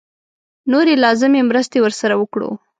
نورې لازمې مرستې ورسره وکړو.